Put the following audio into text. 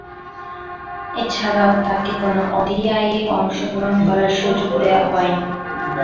এছাড়াও, তাকে কোন ওডিআইয়ে অংশগ্রহণ করার সুযোগ দেয়া হয়নি।